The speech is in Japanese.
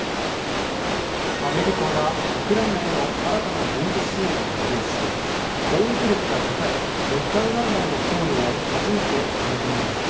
アメリカはウクライナへの新たな軍事支援を発表し攻撃力が高い劣化ウラン弾の供与を初めて盛り込みました。